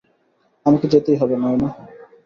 আমাকে যেতেই হবে, নায়না!